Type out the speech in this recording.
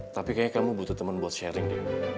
tapi kayaknya kamu butuh teman buat sharing deh